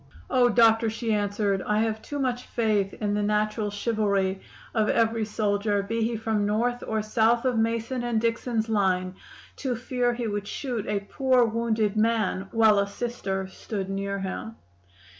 "'Oh, doctor!' she answered, 'I have too much faith in the natural chivalry of every soldier be he from North or South of Mason and Dixon's line to fear he would shoot a poor, wounded man while a Sister stood near him!